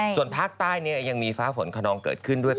ส่วนภาคใต้ยังมีฟ้าฝนขนองเกิดขึ้นด้วย